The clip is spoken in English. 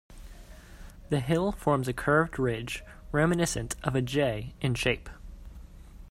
The hill forms a curved ridge, reminiscent of a 'J' in shape.